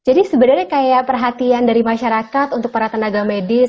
jadi sebenarnya kayak perhatian dari masyarakat untuk para tenaga medis